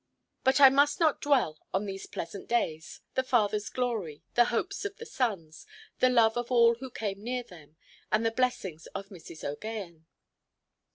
But I must not dwell on these pleasant days, the fatherʼs glory, the hopes of the sons, the love of all who came near them, and the blessings of Mrs. OʼGaghan.